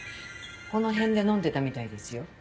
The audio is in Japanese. この辺で飲んでたみたいですよ。